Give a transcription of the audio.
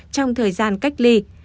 trong thời gian cách ly